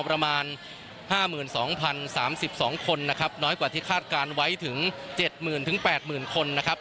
มันประมาณ๕๒๐๓๒คนน้อยกว่าที่คาดการณ์ไว้ถึง๗๐๐๐๐๘๐๐๐๐คน